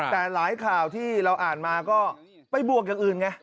แต่หลายข่าวที่เราอ่านมาก็ไปบวกอย่างอื่นไง